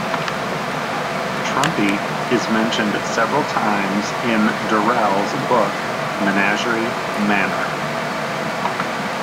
"Trumpy" is mentioned several times in Durrell's book "Menagerie Manor".